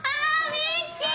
ミッキー！